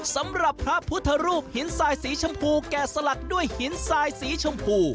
สำหรับพระพุทธรูปหินทรายสีชมพูแก่สลักด้วยหินทรายสีชมพู